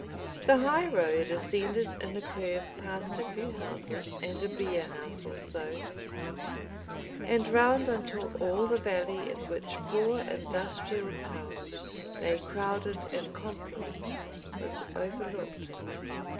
The high road ascended in a curve past a few houses and a beerhouse or so, and round until all the valley in which four industrial towns lay crowded and confluent was overlooked.